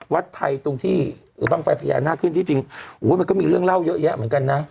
วัดไทยตรงที่บ้างไฟพญานาคขึ้นที่จริงมันก็มีเรื่องเล่าเยอะแยะเหมือนกันนะ